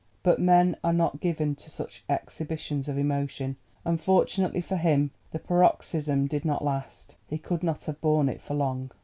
But men are not given to such exhibitions of emotion, and fortunately for him the paroxysm did not last. He could not have borne it for long.